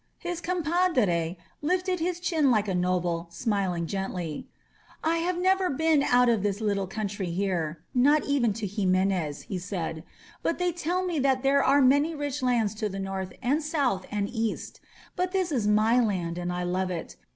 ..." His compadre lifted his chin like a noble, smiling gently. I have never been out of this little country here — ^not even to Jimenez," he sfidd. "But they tell me that there are many rich lands to the north and south and east. But this is my land and I love it.